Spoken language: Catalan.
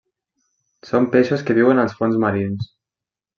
Són peixos que viuen als fons marins.